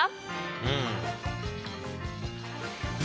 うん。